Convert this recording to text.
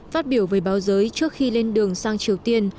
phát biểu với báo giới trước khi lên đường sang triều tiên